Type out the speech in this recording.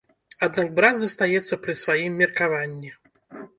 Аднак брат застаецца пры сваім меркаванні.